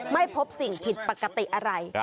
ไม่พบสิ่งผิดปกติอะไร